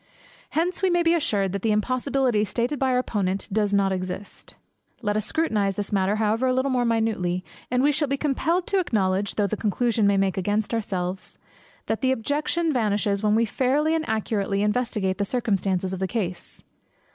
Hence we may be assured that the impossibility stated by our Opponent does not exist. Let us scrutinize this matter, however, a little more minutely, and we shall be compelled to acknowledge, though the conclusion may make against ourselves, that the objection vanishes when we fairly and accurately investigate the circumstances of the case.